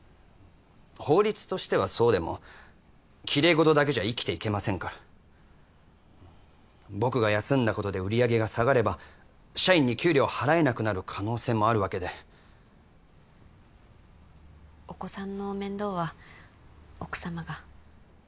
法律としてはそうでもきれい事だけじゃ生きていけませんから僕が休んだことで売り上げが下がれば社員に給料払えなくなる可能性もあるわけでお子さんの面倒は奥様が？